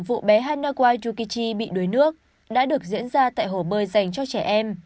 vụ bé hanawayukichi bị đuối nước đã được diễn ra tại hồ bơi dành cho trẻ em